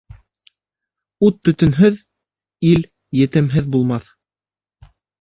Ут төтөнһөҙ, ил етемһеҙ булмаҫ.